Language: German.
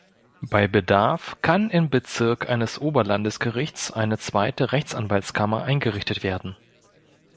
Bei Bedarf kann im Bezirk eines Oberlandesgerichts eine zweite Rechtsanwaltskammer eingerichtet werden.